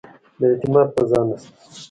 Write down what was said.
د اعتماد فضا نه شته.